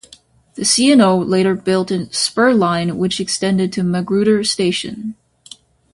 The C and O later built a spur line which extended to Magruder Station.